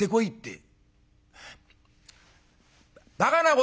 え？